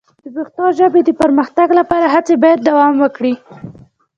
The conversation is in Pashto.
د پښتو ژبې د پرمختګ لپاره هڅې باید دوام وکړي.